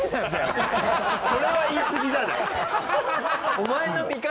それは言いすぎじゃないか。